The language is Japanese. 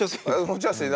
持ちやすい。